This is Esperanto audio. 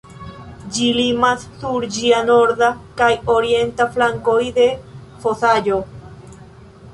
Ĝi limas sur ĝia norda kaj orienta flankoj de fosaĵo.